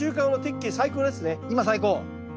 今最高。